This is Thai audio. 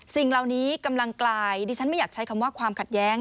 สิ่งเหล่านี้กำลังกลายดิฉันไม่อยากใช้คำว่าความขัดแย้ง